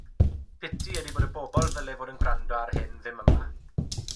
Piti ydi bod y bobl ddylai fod yn gwrando ar hyn ddim yma.